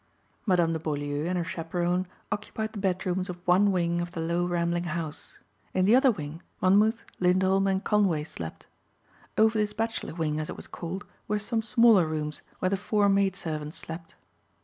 Madame de Beaulieu and her chaperone occupied the bedrooms of one wing of the low rambling house. In the other wing Monmouth, Lindholm and Conway slept. Over this bachelor wing as it was called were some smaller rooms where the four maid servants slept.